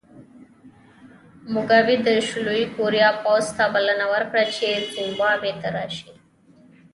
موګابي د شلي کوریا پوځ ته بلنه ورکړه چې زیمبابوې ته راشي.